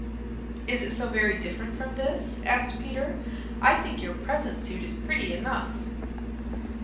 "Is it so very different from this?" asked Peter. "I think your present suit is pretty enough."